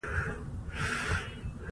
کلي د افغانستان د طبیعت د ښکلا برخه ده.